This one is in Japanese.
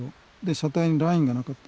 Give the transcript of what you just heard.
「車体にラインがなかった」。